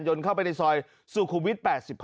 เข้าไปในซอยสุขุมวิท๘๕